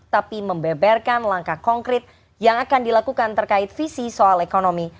tapi membeberkan langkah konkret yang akan dilakukan terkait visi soal ekonomi